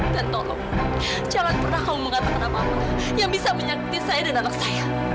dan tolong jangan pernah kamu mengatakan apa apa yang bisa menyakiti saya dan anak saya